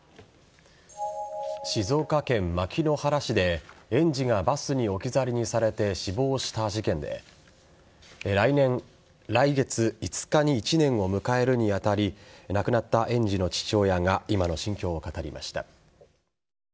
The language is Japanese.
静岡県牧之原市で園児がバスに置き去りにされて死亡した事件で来月５日に１年を迎えるに当たり亡くなった園児の父親が今の心境を語りました。